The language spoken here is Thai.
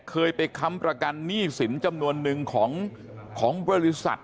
เคยไปค้ำประกันหนี้สินจำนวนนึงของบริษัท